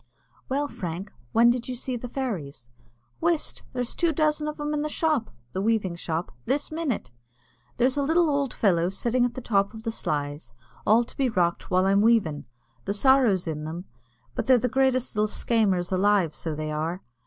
"Well, Frank, when did you see the fairies?" "Whist! there's two dozen of them in the shop (the weaving shop) this minute. There's a little ould fellow sittin' on the top of the sleys, an' all to be rocked while I'm weavin'. The sorrow's in them, but they're the greatest little skamers alive, so they are.